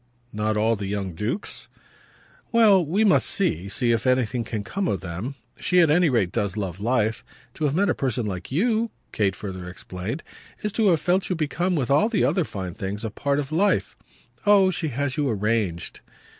"Not all the young dukes?" "Well we must see see if anything can come of them. She at any rate does love life. To have met a person like you," Kate further explained, "is to have felt you become, with all the other fine things, a part of life. Oh she has you arranged!"